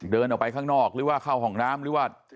เดินออกไปข้างนอกหรือว่าเข้าห้องน้ำหรือว่า